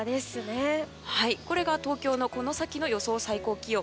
これが東京のこの先の予想最高気温。